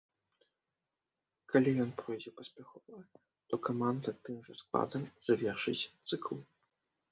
Калі ён пройдзе паспяхова, то каманда тым жа складам завершыць цыкл.